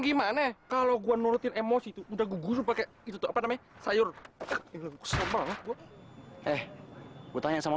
gimana kalau gua nurutin emosi itu udah gugus pakai itu apa namanya sayur eh gue tanya sama